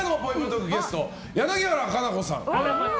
トークゲストは柳原可奈子さん。